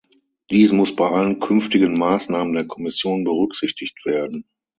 Dies muss bei allen künftigen Maßnahmen der Kommission berücksichtigt werden.